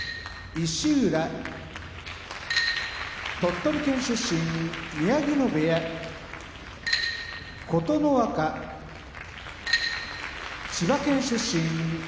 石浦鳥取県出身宮城野部屋琴ノ若千葉県出身佐渡ヶ嶽